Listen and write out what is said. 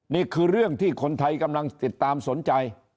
นี่คือเรื่องที่คนไทยกำลังติดตามสนใจ